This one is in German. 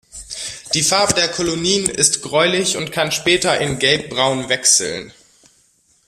Die Farbe der Kolonien ist gräulich und kann später in gelb-braun wechseln.